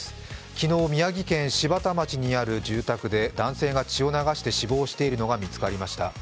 昨日、宮城県柴田町にある住宅で男性が血を流して死亡しているのが見つかりました。